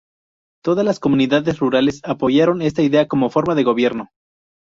Todas las comunidades rurales apoyaron esta idea como forma de gobierno.